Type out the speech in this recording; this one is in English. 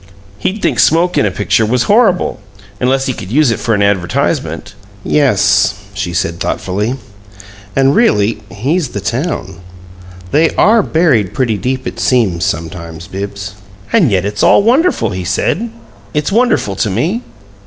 He'd think smoke in a picture was horrible unless he could use it for an advertisement." "Yes," she said, thoughtfully. "And really he's the town. They ARE buried pretty deep, it seems, sometimes, Bibbs." "And yet it's all wonderful," he said. "It's wonderful to me."